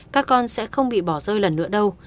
các con sẽ không bị bỏ rơi lần nữa đâu